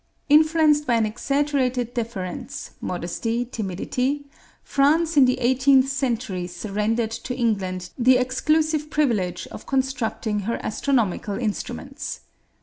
Influenced by an exaggerated deference, modesty, timidity, France in the eighteenth century surrendered to England the exclusive privilege of constructing her astronomical instruments.